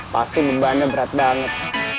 pasti membahannya berat banget